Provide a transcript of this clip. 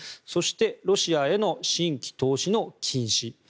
そしてロシアへの新規投資の禁止